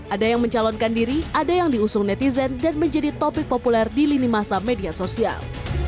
ada yang mencalonkan diri ada yang diusung netizen dan menjadi topik populer di lini masa media sosial